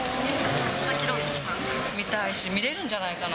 佐々木朗希さん、見たいし、見れるんじゃないかな。